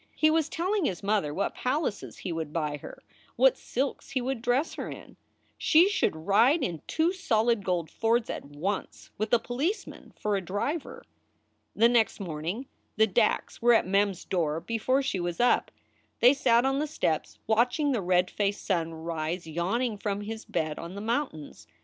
He was telling his mother what palaces he would buy her, what silks he would dress her in; she should ride in two solid gold Fords at once, with a policeman for driver. The next morning the Dacks were at Mem s door before SOULS FOR SALE 259 she was up. They sat on the steps, watching the red faced sun rise yawning from his bed on the mountains.